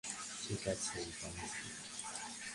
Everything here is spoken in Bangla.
ঠিক আছে, বানজি।